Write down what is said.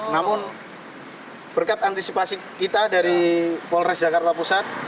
namun berkat antisipasi kita dari polres jakarta pusat